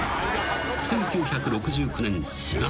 ［１９６９年４月］